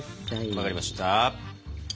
分かりました。